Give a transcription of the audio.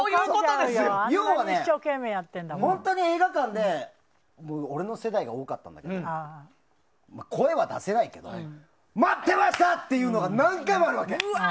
要はね、本当に映画館で俺の世代が多かったんだけど声は出せないけど待ってました！っていうのが何回もあるわけ。